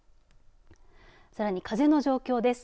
さらに風の状況です。